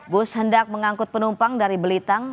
bus hendak mengangkut penumpang dari belitang